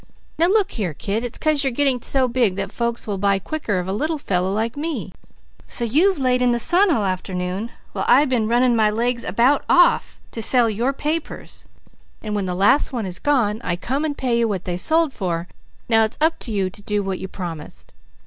_" "_Now look here kid, it's 'cause you're getting so big that folks will be buying quicker of a little fellow like me; so you've laid in the sun all afternoon while I been running my legs about off to sell your papers; and when the last one is gone, I come and pay you what they sold for; now it's up to you to do what you promised.